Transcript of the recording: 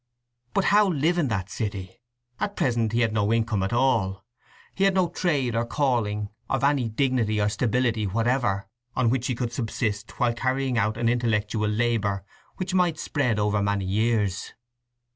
But how live in that city? At present he had no income at all. He had no trade or calling of any dignity or stability whatever on which he could subsist while carrying out an intellectual labour which might spread over many years.